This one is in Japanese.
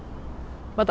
また。